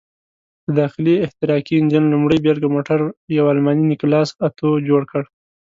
د داخلي احتراقي انجن لومړۍ بېلګه موټر یو الماني نیکلاس اتو جوړ کړ.